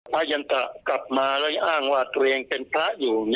ยันตะกลับมาแล้วอ้างว่าตัวเองเป็นพระอยู่